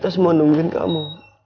tes menungguin kamu